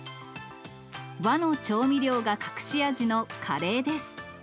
和の調味料が隠し味のカレーです。